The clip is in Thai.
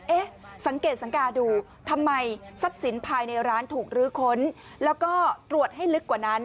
เอ๊ะสังเกตสังกาดูทำไมทรัพย์สินภายในร้านถูกลื้อค้นแล้วก็ตรวจให้ลึกกว่านั้น